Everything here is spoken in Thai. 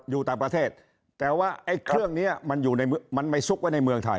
อยู่ต่างประเทศแต่ว่าไอ้เครื่องนี้มันอยู่ในมันไม่ซุกไว้ในเมืองไทย